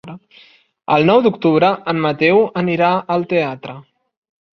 El nou d'octubre en Mateu anirà al teatre.